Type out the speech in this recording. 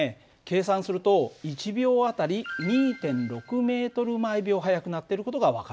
計算すると１秒あたり２．６ｍ／ｓ速くなっている事が分かるね。